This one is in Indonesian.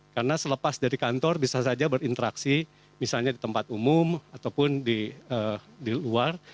karena selepas dari kantor bisa saja berinteraksi misalnya di tempat umum ataupun di luar